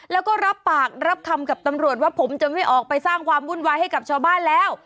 แล้วก็รับปากรับคำกับตำรวจว่าผมจะไม่ออกไปสร้างความวุ่นวายให้กับชาวบ้านแล้ว